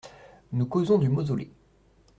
Nous causons du mausolée…